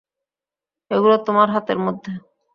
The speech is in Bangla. এগুলো তোমার হাতের মধ্যে।